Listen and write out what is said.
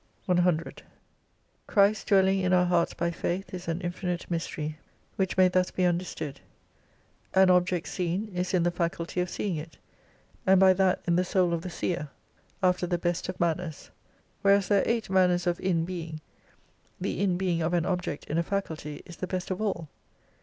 77 100 Christ dwelling in our hearts by Faith is an Infinite Mystery, which may thus be understood : An object seen, is in the faculty seeing it, and by that in the Soul of the seer, after the best of manners. Whereas there are eight* manners of in being, the in being of an object in a faculty is the best of all.